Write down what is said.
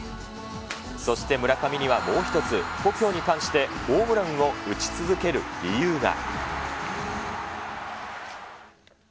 そして村上にはもう一つ、故郷に関してホームランを打ち続ける理由が。